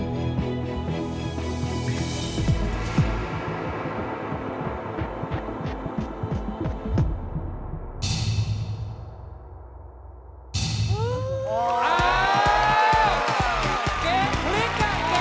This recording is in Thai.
เกมพลิกกัน